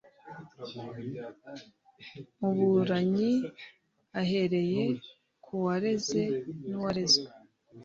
muburanyi ahereye ku wareze nuwa rezwe